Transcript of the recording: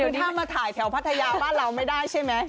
คือถ้ามาถ่ายแถวพัทยาบ้านเราไม่ได้ใช่ไหม